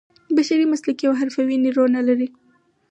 بشري مسلکي او حرفوي نیرو نه لري.